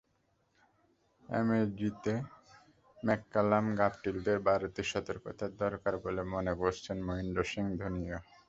এমসিজিতে ম্যাককালাম-গাপটিলদের বাড়তি সতর্কতার দরকার বলে মনে করছেন মহেন্দ্র সিং ধোনিও।